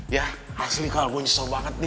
ya asli kalau gue nyesel banget nih